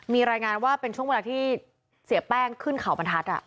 มีรายงานว่าเป็นช่วงเวลาที่เสียแป้งขึ้นเขาบรรทัศน์